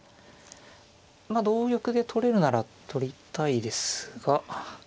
まあ同玉で取れるなら取りたいですが。